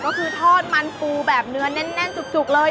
ก็คือทอดมันปูแบบเนื้อแน่นจุกเลย